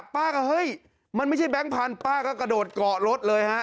ป้าก็เฮ้ยมันไม่ใช่แบงค์พันธุ์ป้าก็กระโดดเกาะรถเลยฮะ